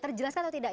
terjelaskan atau tidak